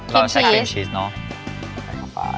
เราใช้ครีมชีสเนาะ